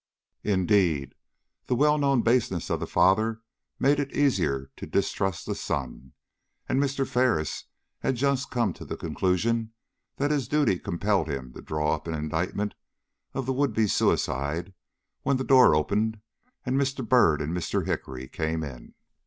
Indeed, the well known baseness of the father made it easier to distrust the son, and Mr. Ferris had just come to the conclusion that his duty compelled him to draw up an indictment of the would be suicide, when the door opened, and Mr. Byrd and Mr. Hickory came in.